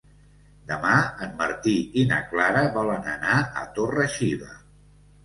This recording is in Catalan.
Demà en Martí i na Clara volen anar a Torre-xiva.